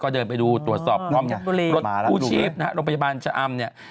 ก็เดินไปดูตรวจสอบรถผู้ชีพโรงพยาบาลชะอำ